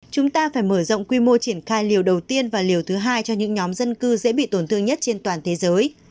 chúng ta phải mở rộng quy mô triển khai liều đầu tiên và liều thứ hai cho những nhóm dân cư dễ bị tổn thương nhất trên toàn thế giới